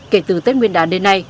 kể từ tết nguyên đán đến nay